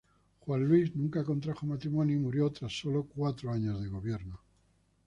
Juan Luis nunca contrajo matrimonio y murió tras solo cuatro años de gobierno.